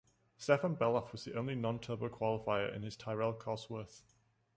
Stefan Bellof was the only non-turbo qualifier in his Tyrrell-Cosworth.